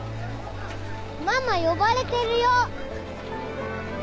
ママ呼ばれてるよ！